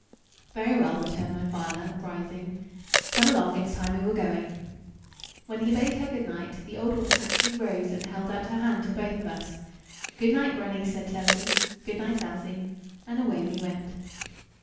"Very well," returned my father, rising; "come along; it's time we were going." When he bade her good night, the old woman actually rose and held out her hand to both of us. "Good night, Grannie," said Turkey. "Good night, Elsie." And away we went.